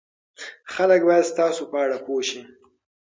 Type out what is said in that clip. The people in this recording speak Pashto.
خلک باید ستاسو په اړه پوه شي.